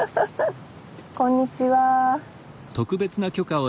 こんにちは。